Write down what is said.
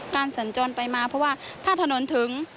สัญจรไปมาเพราะว่าถ้าถนนถึง